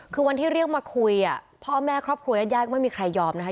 คือวันที่เรียกมาคุยพ่อแม่ครอบครัวยาดไม่มีใครยอมนะคะ